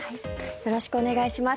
よろしくお願いします。